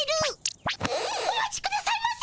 お待ちくださいませ。